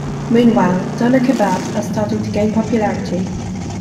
Meanwhile, Doner kebabs are starting to gain popularity.